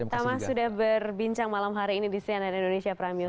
tamah sudah berbincang malam hari ini di cnn indonesia pramius